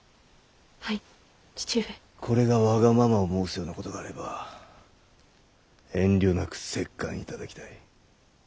これがわがままを申すようなことがあれば遠慮なく折檻いただきたい。